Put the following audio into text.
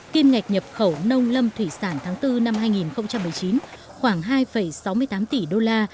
kim ngạch nhập khẩu nông lâm thủy sản tháng bốn năm hai nghìn một mươi chín khoảng hai sáu mươi tám tỷ đô la